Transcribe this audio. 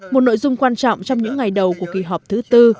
một nội dung quan trọng trong những ngày đầu của kỳ họp thứ tư